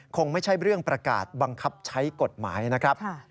คงไม่ใช่เรื่องประกาศบังคับใช้กฎหมายนะครับ